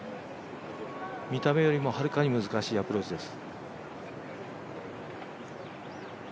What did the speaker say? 見た目よりもはるかに難しいアプローチです。